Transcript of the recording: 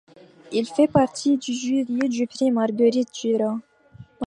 Il fait partie du jury du Prix Marguerite-Duras.